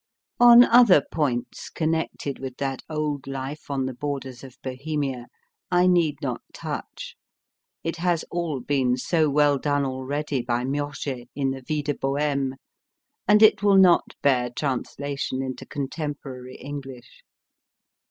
On other points connected with that old life on the borders of Bohemia, I need not touch ; it has all been so well done already by Muiger, in the Vie de Boheme/ and it will not bear translation into contemporary English.